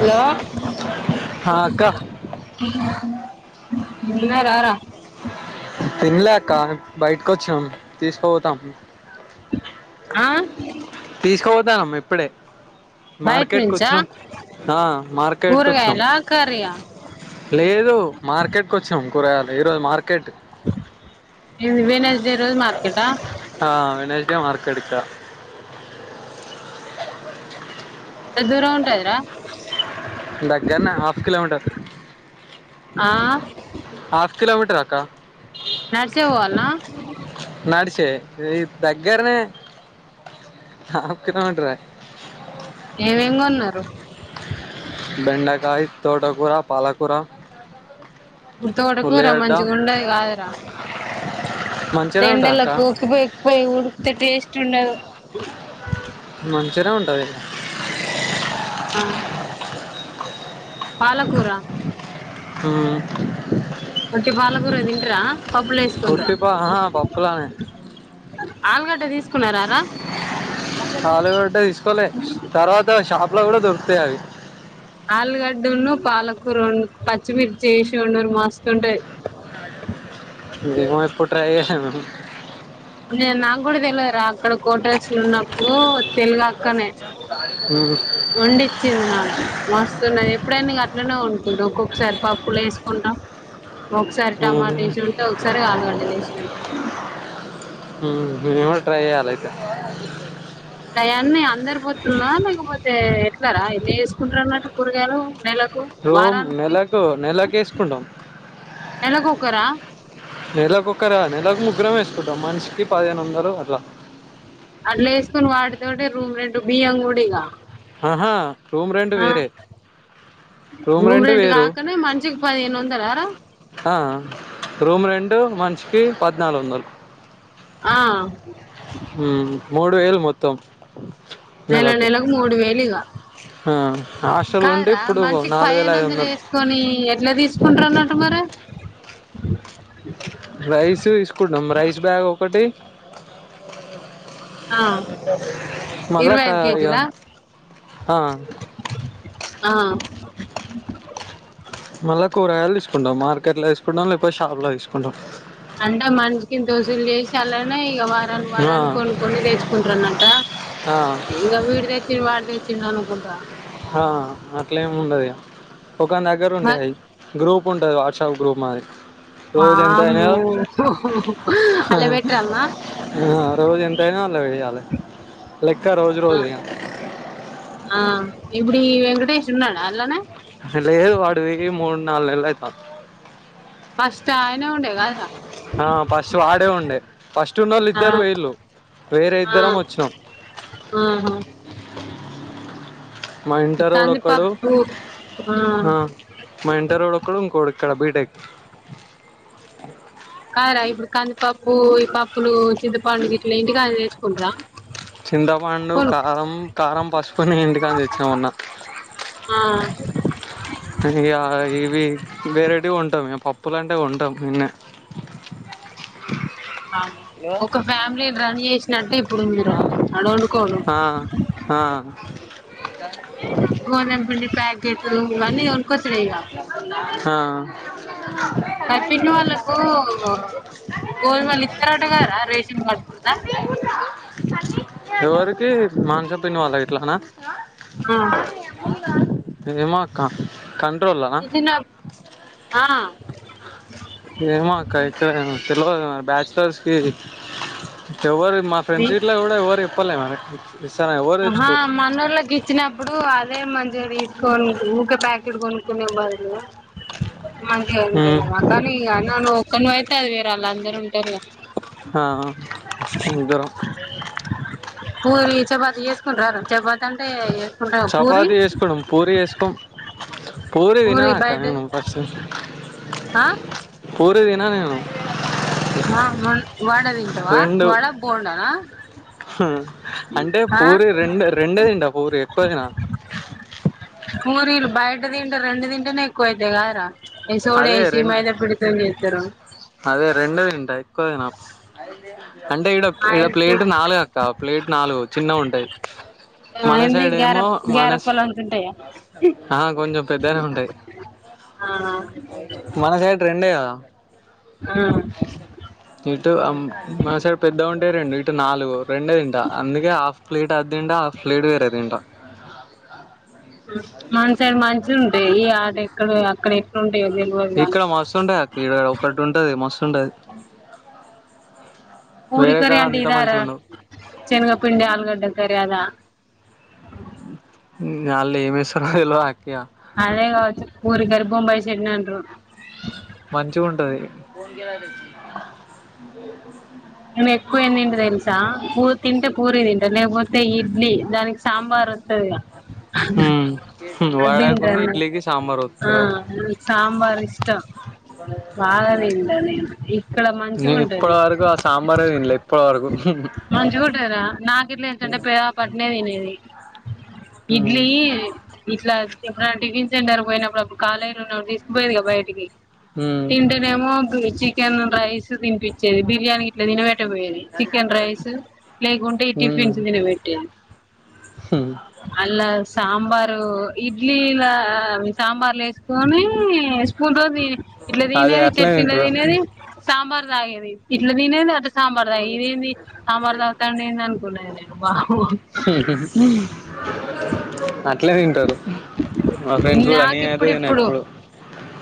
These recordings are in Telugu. హలో ఆ అక్క ఉన్నారా రా తినలే అక్క బయటికి వచ్చాం తీసుకుపోతాం ఆ తీసుకపోతానమ్మ ఇప్పుడే బయట మార్కెట్ కి నుంచా వచ్చాం ఆ మార్కెట్ కి వచ్చాం కూరగాయల కర్రీయా లేదు మార్కెట్కొచ్చాం కూరగాయాల్ ఈ రోజు మార్కెట్ వెనజ్డే రోజు మార్కెటా ఆ వెనజ్డే మార్కెట్ ఇక్కడ ఎంత దూరం ఉంటదిరా దగ్గర్నే హాఫ్ కిలోమీటర్ ఆ ఆఫ్ కిలోమీటర్ అక్క నడిచే పోవాల్నా నడిస్తే ఈ దగ్గరనే హఫ్ కిలోమీటర్ ఎం ఎం కోన్నారు బెండకాయ తోటకూర పాలకూర తోటకుర ఉల్లిగడ్డ మంచిగ ఉండది గాదు ర మంచిగానే ఎండ ఉంటుంది లో అక్క కూక్ పో పోయి ఉడికితే టేస్ట్ ఉండదు మంచిగానే ఉంటది ఇగ ఆ పాలకూర ఊ ఉట్టి పాలకూర తింటారా పప్పుల వేసుకుంటార ఉట్టి పా ఆహా, పప్పులానే ఆలుగడ్డ తీసుకున్నారార ఆలుగడ్డ తీసుకోలే తర్వాత షాప్ లో కూడా దొరుకుతాయి అవి ఆలుగడ్డ ఉం పాలకూరం పచ్చిమిర్చి చేసి వండరు మస్తుంటది ఏమో ఏప్పుడు ట్రై చేయాలె మేం ఇగ నాకు కూడా తెలవద్ ర అక్కడ కోటరస్లు ఉన్నప్పుడు తెలుగక్కనే ఉహ్ ఇచ్చింది నాకు మస్తున్నది ఎప్పుడైనా అట్లనే వండుకుంట ఒక్కొక్కసారి పప్పులు వేసుకుంటం ఒకసారి టమాట వేసి వండుతా ఒకసారి ఆలుగడ్డలు వేసి వొండుతా ఊ మేము కూడ ట్రై చేయాలా అయితే ఇపుడు అయాన్న అందరు పొత్తులన్న లేకపోతే ఎట్లరా ఎన్ని తీసుకుంటార అన్నట్టు కూరగాయలు నెలకు రోమ్ వారానికి నెలకు నెలకు వేసుకుంటాం నెలకు ఒకరా నెలకోక్కరా నెలకు ముగ్గురం వేసుకుంటాం మనిషికి పదిహేను వందలు అట్లా అట్లా వేసుకొని వాటితుంటే రూమ్ రెండు బియ్యం గుడిగా ఆహా రూమ్ రెంట్ వేరే రూమ్ రెంట్ గాకనే మనిషికి పదిహేను వందలరా ఆ రూమ్ రెంట్ మనిషికి పద్నాలుగు వందలు ఆ ఊ మూడు వేల్ మొత్తం నెల నెలకు మూడు వేలు ఇగ ఆ హాస్టల్ ఉంటే ఇప్పుడు నాలుగు వేల ఐదు వందలు కొని ఎట్లా తీసుకుంటారు అన్నట్టు మరి రైస్ తీసుకుంటాం రైస్ బ్యాగ్ ఒకటి ఆ ఇరవై మళ్ళకా ఐదు ఇగ ఆ ఆహ మళ్ళా కూరగాయలు తీసుకుంటాం మార్కెట్ లో తీసుకుంటాం లేకపోతే షాప్ లో తీసుకుంటాం అంటే మనిషికి దోసిలు చేసి అలానే ఇక వారాన్ని ఆ వారాన్ని కొను కొని తెచ్చుకుంటారనట ఆ ఇంకా వీడి తెచ్చిండు వాడు తెచ్చిండు అనకుంట ఆ అట్లా ఏం ఉండదు ఒకన్ దగ్గర మరి ఉండేవి గ్రూప్ పు ఉంటది వాట్సప్ గ్రూప్ మాది రోజు ఎంత వామ్మో అయినాయో ఓహు అల బట్రల్నా ఆ రోజు ఎంత అయినయో అలా వెయాలి లెక్క రోజు ఆ రోజు ఇగ ఆ ఇప్పుడు ఈ వెంకటేశ్ ఉన్నడ అన్లనే లేదు వాడు వికి మూడు నాలుగు నెల అయితాంది ఫస్ట్ అయనే ఉండే కదర ఆ ఫస్ట్ వాడే ఉండే ఫస్ట్ ఉన్న వాళ్ళు ఆ ఇద్దరు వేళ్లు వేరే ఆ ఇద్దరం వచ్చినాం ఆహా మా ఈ ఇంటరోడు ఒక్కడు కందిపప్పు ఆ మా ఇంటరోడ్ ఒక్ ఒక్కడు ఇంకోక్కడు ఇక్కడ బీటెక్ కాద్రా ఇప్పుడు కందిపప్పు ఈ పప్పులు చింతపండు గిట్ల ఇంటికాంచి తెచ్చుకుంటరా చింతపండు కారం కారం పసుపుని ఇంటికంచి తెచ్చినా మొన్న ఆ కానీ ఇగ ఇవి వేరేటివి కొంటామే పప్పులు అంటే కొంటాం ఈన్నే ఆ ఒక ఫ్యామిలీ రన్ చేసినట్టు ఇప్పుడు మీరు ఒండు ఆ ఆ గోధమ్ పిండి ప్యాకెట్లు ఇవన్నీ కొనుకోచూడే ఇగ ఆ మరి పిన్ని వాళ్ళకు గోధుమలు ఇత్తరట గాదరా రేషన్ కోట్ల ఎవరికి మానస పిన్ని వాళ్ళకి గిట్లన ఆ ఏమో అక్క కంట్రోల్నా ఇచ్చిన ఆ ఏమో అక్క ఇస్తూరేమో తెల్వదు మరి బ్యాచలర్స్ కి ఎవరు మా మీ ఫ్రెండ్స్ గిట్ల కూడా ఎవరు చెప్పాలే మన ఇస్తార ఆహా మనోళ్లగి ఇచ్చినప్పుడు అదే మంచిగా తీసుకోనీ ఊకే ప్యాకెట్ కొనుక్కునే బదులు మంటే ఉంట ఉమ్ గానీ ఆన్లా నువ్వు ఒక్కనివి అయితే అది వేరు అళ్ళ అందరూ ఉంట ఆ ఇద్దరం పూరిని చపాతి చేసుకుంటారారా చపాతీ అంటే చేసుకుంటా పూరి చపాతి చేసుకుంటాం పూరీ చేసుకోం పూరీ పూరి తినను అక్క బయట నేను ఫస్ట్ ఆ పూరీ తిన నేను ఆ వ వడ తింటావా వడ బొండా నా హ అంటే పూరి రెండు రెండే తింట పూరి ఎక్కువ తిన పూరీలు బయట తింటే రెండు తింటేనే ఎక్కువైతాయి కదా రా ఏ సోడ అదే ఏసి రెండు మైదా పండి తో చేస్తారు అవి అదే రెండే తింట ఎక్కువ తిన అంటే ఇడ ఇడ ఆయిల్ ప్లేట్ ఫుడ్ నాలుగు అక్క ప్లేట్ నాలుగు చిన్నగుంటాయి హా ఏంటీ గార గారప్పలు అంతుంటాయా [inaudible] ఆ కొంచెం పెద్దనే ఉంటాయి మన సైడ్ రెండే కదా ఆ ఇటు ఆహ్ మన సైడ్ పెద్దగుంటై రెండు ఇటు నాలుగు రెండే తింటా అందుకే హాఫ్ ప్లేట్ అది తింటా హాఫ్ ఫ్లేట్ వేరే తింటా మన సైడ్ మంచి ఉంటాయి ఈ అటెక్కడో అక్కడే ఉంటాయో చేప్ ఇక్కడ మస్తుంటయి అక్క ఇడా ఒక్కటి ఉంటది మస్త్ ఉంటది పూరీ కర్రీ అంటే ఇదా రా చెనగపిండి ఆలుగడ్డ కర్రీ అదా ఆళ్ల ఏం ఇస్తారో తెల్వదు అక్క ఇగ అదే కావచ్చు పూరీ కర్రీ బొంబాయి చట్నీ అంటారు మంచిగుంటది నేను ఎక్కువ ఏం తింట తెలుసా పూ తింటే పూరీ తింట లేపోతే ఇడ్లీ దానికి సాంబార్ ఒత్తది గా హ్మ్ వడ కున్ను ఇడ్లీ కి సాంబార్ ఆ ఒత్తదా నాకు సాంబార్ ఇష్టం బాగా తింటా నేను ఇక్కడ మంచిగా నేను ఇప్పటి ఉంటది వరకు ఆ సాం సాంబారే తిన్లే ఇప్పటివరకు మంచిగుంటది రా నాకెట్ల తెల్సాంటే పెద్ద బాప అట్లనే తినేది హ్మ్ ఇడ్లీ ఇట్ల ఎప్పుడన్న టిఫిన్ సెంటర్ పోయినప్పుడు అప్పుడు కాలేజ్ల ఉన్నప్పుడు తీస్కపోయేది గా బయటకి హ్మ్ తింటే నేమో గూ చికెన్ రైస్ తిన్పిచ్చేది బిర్యానీ గిట్లా తినిపెట్ట పోయేది చికెన్ రైసూ లేకుంటే ఈ హ్మ్ టిఫిన్సు తినపెట్టేది హ్మ్ అళ్లా సాంబారు ఇడ్లీలా సాంబార్లేస్కొని [unintelligible] రోజు ఇట్ల అదే దినేది అట్లనే చెట్నీలో తింటారు దినేది సాంబార్ తాగేది ఇట్లా తినేది అట్ల సాంబార్దా ఇదేంది సాంబార్ దాగుతాండేంది అనుకున్నాను నేను బాబు అట్లే దింటరు మా ఫ్రెండ్స్ కూడా అన్ని నాకు [unintelligible] ఇప్పుడిప్పుడు అప్పుడు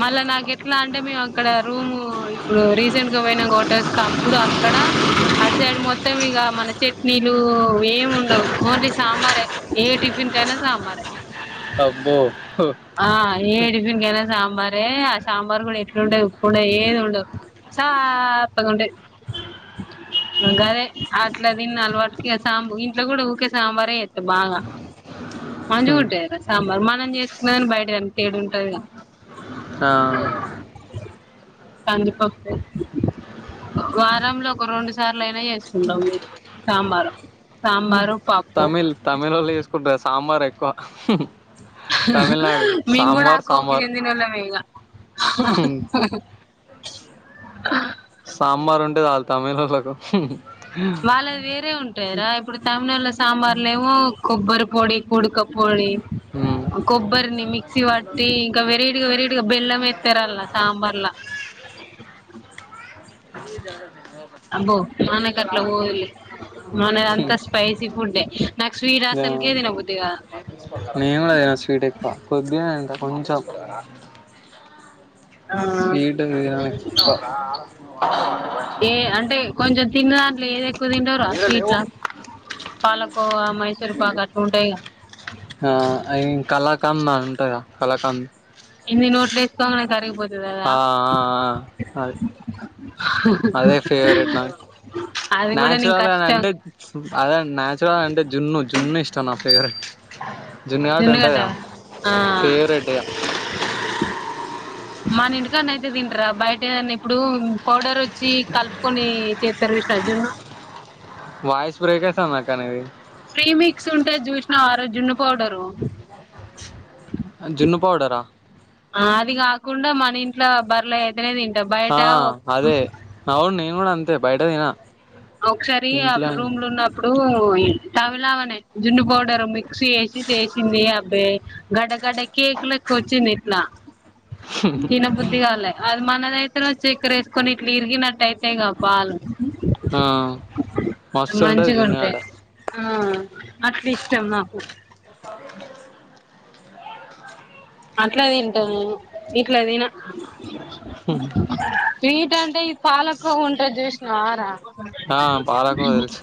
మళ్ళా నాకెట్లా అంటే మేం అక్కడ రూము ఇప్పుడు రీసెంట్గా వొయినం క్వార్టర్స్ అప్పుడు అక్కడ అటు సైడ్ మొత్తం ఇగా మన చెట్ వీళ్లు ఏం ఉండవు ఓన్లీ సాంబారే ఏ టిఫిన్ కైనా సాంబారే అబ్బో ఆ ఏ టిఫిన్కైనా సాంబారే ఆ సాంబార్ కూడా ఎట్లుండదు ఉప్పు ఉండదు ఏది ఉండదు సాప్పగుంటది గదే అట్ల దిన్న అలవాటుకే సాంబ్ ఇంట్లో గూడా ఊకే సాంబారే చేత్తా బాగా మంచి గుంటయారా సాంబార్ మనం జేస్కున్నదానికి బైట దానికి తేడుంటది గా ఆ కందిపప్పు వారంలో ఒక రొండు సార్లు అయినా జేస్కుంటము మేం సాంబారు సాంబారు పప్పు తమిళ్ వాళ్ళు ఏస్కుంటారు సాంబార్ ఎక్కువ తమిళనాడు సాంబార్ సాంబార్ నేనేం వేయలా సాంబార్ ఉంటే చాల్ తమిళోళ్ళకు వాళ్ళది వేరే ఉంటయ్ రా ఇప్పుడు తమినాడులో సాంబార్లేమో కొబ్బరి పొడి కుడుక పొడి కొబ్బర్ని మిక్సీ పట్టి ఇంకా వెరైటీ గా వెరైటీగా బెల్లమేత్తరల్లా సాంబార్లా అబ్బో మనకట్లా పోదులే మనదంతా స్పైసీ ఫుడ్డే నాకు స్వీట్ అసల్కే తిన బుద్ధి కాదు నేన్ గూడా దిన స్వీట్ ఎక్కువ కొద్దిగ దింటా కొంచెం ఆ స్వీటు దినమెక్కువ ఏ అంటే కొంచెం తిన్న దాంట్లో ఏదెక్కువ తింటవ్ రా స్వీట్లా పాలకోవా మైసూర్ పాక్ అట్లుంటయిగా హా అవి కళాకండ ఉంటయ్ గా కళాకండ్ ఇన్ని నోట్లేస్కొంగానే కరిగిపో తినవా ఆ ఆ అది అదే ఫేవరెట్ నాకు అది గూడా న్యాచురల్ అని నీకష్టం అంటే అదే న్యాచురల్ అంటే జున్ను జున్ను ఇష్టం నా ఫేవరెట్ జున్ను గడ్డ ఉంటయ్ జున్నగడ్డ గా ఆ ఫేవరేట్టు గా మన ఇంటికాన్నైతే దింటరా బైటేదన్న ఇప్పుడు పౌడరు [unintelligible] వాయిస్ బ్రేక్ అయితాందక్క నీది ఫ్రీ మిక్స్ ఉంటది జూశ్నవార జున్ను పౌడరు జున్ను పౌడరా అది గాకుండా మన ఇంట్లో బర్లదైతేనే దింట బయట ఆ అదే అవును నేన్ గూడా అంతే బైటదినా ఒకసారి ఆ రూమ్లున్నప్ అప్పుడు ఈ తవిళామేనే జున్ను పౌడరు మిక్స్ ఏసి చేసింది అబ్బే గడ్డ గడ్డ కేక్లెక్కొచ్చిందిట్లా తిన బుద్ధిగాలే అది మనదైతేనేమో చెక్కరేస్కొని ఇట్లా ఇరిగినట్టైతే ఉంటాయిగా పాలు ఆ మస్తు ఉంటది మంచిగుంటయి జున్నుగడ్డ ఆ అట్లా ఇష్టం నాకు అట్ల తింట నేను ఇట్ల దిన హు మ్ స్వీట్ అంటే ఈ పాలకోవ ఉంటది జూషినవారా ఆ పాలకోవ తెలుసు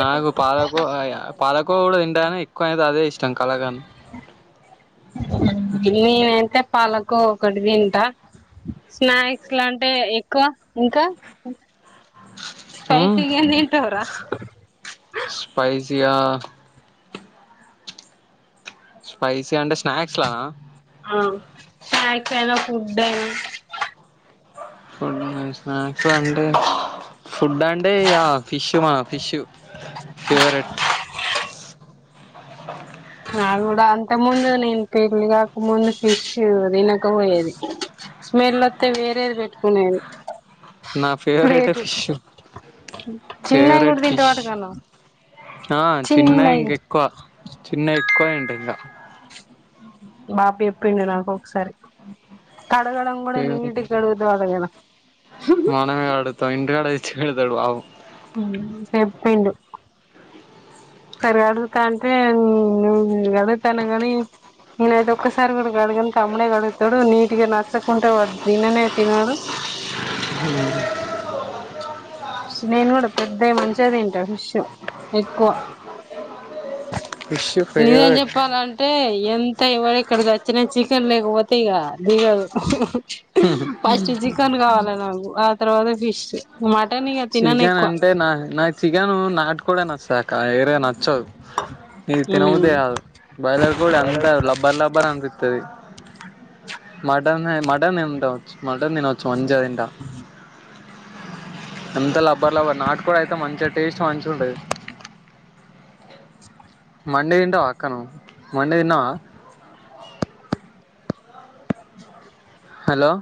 నాకు పాలకోవ ఇగ పాలకోవ కూడ తింటను ఎక్కువ అయితే అదే ఇష్టం కలకంద నేనైతే పాలకోవ ఒకటి తింటా స్నాక్స్ లాంటే ఎక్కువ ఇంకా స్పైసిగేమ్ తింటవ్ రా స్పైసిగా స్పైసీ అంటే స్నాక్స్లనా ఆ స్నాక్స్ అయిన ఫుడ్ అయిన ఫుడ్ స్నాక్సు అంతే కదా ఫుడ్ అంటే ఇగ ఆ ఫిష్ మా ఫిష్ ఫేవరెట్ నాకు కూడా అంతే ముందు నేను పెళ్ళికాక ముందు ఫిష్ తినకపోయేది స్మెల్ ఒత్తే వేరేది పెట్టుకునేది నా ఫేవరెటే ప్లేట్ ఫిష్ చిన్నయి గూడ ఫేవరెట్ ఫిష్ తింటావంటగా నువ్వు ఆ చిన్నయి ఇంగ ఎక్కువ చిన్నయి ఎక్కువ తింట ఇంగ బాపు చెప్పిండు నాకు ఒకసారి కడగడం కూడ ఫేవరెట్ నీట్ గా కడుగుతవట గద మనమే కడుతం ఇంటికాడ తెచ్చి పెడతడు బాపు ఉమ్ చెప్పిండు కడుగుతాంటే మ్మ్ గదేత్తాన గనీ నేనైతే ఒక్కసారి గూడా కడగను తమ్మడే గడుగుతడు నీట్ గా నచ్చకుంటే వాడ్ తిననే తినడు నేను గూడ పెద్దయి మంచిగ తింట ఫిష్షు ఎక్కువ ఫిష్ నిజం ఫేవరెట్ చెప్పాలం టే ఎంత ఎవడ్ ఎక్కడ సచ్చిన చికెన్ లేకపోతే ఇగ దిగదు ఫస్ట్ చికెన్ గావాలా నాకు ఆ తర్వాత ఫిష్ మ చికెన్ అంటే నా నాక్ చికెను నాటు కోడె నచ్చుతది అక్క వేరేది నచ్చదు ఇది ఉమ్ తినబుద్ది గాదు బాయిలర్ కోడి అంత లబ్బర్ లబ్బర్ అనిపిత్తది మటనె మటన్ తింటొచ్చు మటన్ తినోచ్చు మంచిగ తింటా అంత లబ్బర్ లవ్వ నాటు కోడైతే మంచిగ టేస్ట్ మంచిగా ఉండేది మండే తింటావా ఆక్క నువ్వు మండే తిన్నావా హలో